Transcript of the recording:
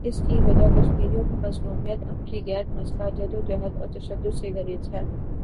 اس کی وجہ کشمیریوں کی مظلومیت، ان کی غیر مسلح جد وجہد اور تشدد سے گریز ہے۔